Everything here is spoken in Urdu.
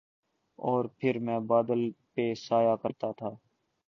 اور پھر میں بادل پہ سایہ کرتا تھا